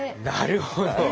なるほど。